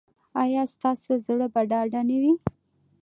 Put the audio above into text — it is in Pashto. ایا ستاسو زړه به ډاډه نه وي؟